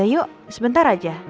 amir kasihan parkurnya